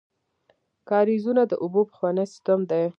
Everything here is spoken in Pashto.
کاریزونه د اوبو پخوانی سیسټم دی.